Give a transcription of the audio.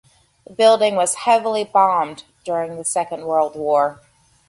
The building was heavily bombed during the Second World War.